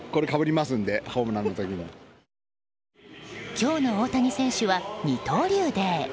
今日の大谷選手は二刀流デー。